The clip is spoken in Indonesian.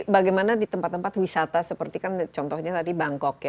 bagaimana di tempat tempat wisata seperti tadi contohnya bangkok